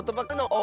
お！